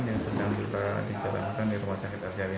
yang sedang juga dicabarkan di rumah sakit arjali